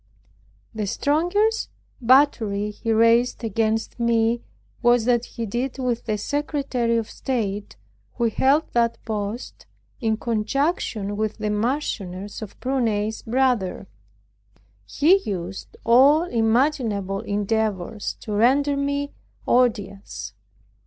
The strongest battery he raised against me was what he did with the Secretary of State, who held that post in conjunction with the Marchioness of Prunai's brother. He used all imaginable endeavors to render me odious.